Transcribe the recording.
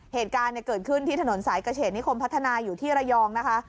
เหตุการณ์เนี่ยเกิดขึ้นที่ถนนสายกระเฉดนี่คงพัฒนาอยู่ที่ระยองนะคะ